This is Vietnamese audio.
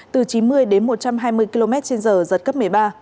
từ chín mươi đến một trăm hai mươi km trên giờ giật cấp một mươi ba